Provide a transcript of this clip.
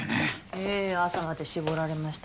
ええ朝まで絞られました。